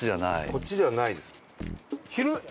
こっちではないです。